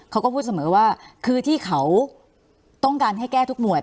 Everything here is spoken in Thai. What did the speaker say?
เขาก็พูดเสมอว่าคือที่เขาต้องการให้แก้ทุกหวย